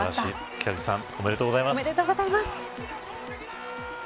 北口さんおめでとうございます。